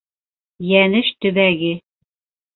Йәнеш төбәге